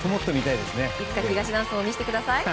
いつか東ダンスも見せてください。